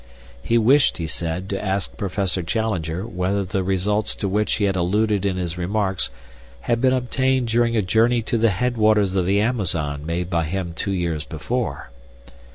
He wished, he said, to ask Professor Challenger whether the results to which he had alluded in his remarks had been obtained during a journey to the headwaters of the Amazon made by him two years before.